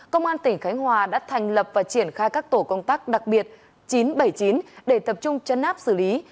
công an tỉnh khánh hòa đã thành lập và triển khai các tổ công tác đặc biệt chín trăm bảy mươi chín để tập trung chấn áp xử lý